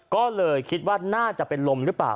ก็เลยคิดว่าน่าจะเป็นลมหรือเปล่า